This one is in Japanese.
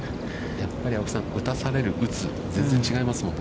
やっぱり青木さん、打たされる、打つ、全然違いますもんね。